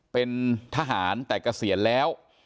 เป็นทหารแต่กระเสียรแล้ว